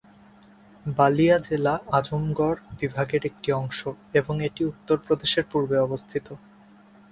বালিয়া জেলা আজমগড় বিভাগের একটি অংশ এবং এটি উত্তরপ্রদেশের পূর্ব অংশে অবস্থিত।